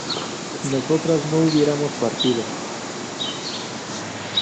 ¿nosotras no hubiéramos partido?